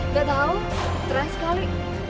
gak tau terang sekali